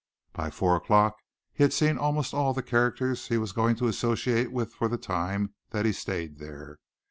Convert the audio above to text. By four o'clock he had seen almost all the characters he was going to associate with for the time that he stayed there.